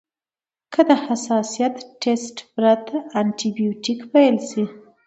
که د حساسیت ټسټ پرته انټي بیوټیک پیل شي.